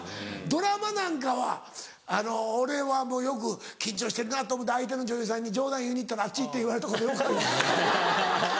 ドラマなんかは俺はよく緊張してるなと思うて相手の女優さんに冗談言いに行ったら「あっち行って」言われたことよくある。